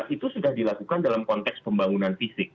itu sudah dilakukan dalam konteks pembangunan fisik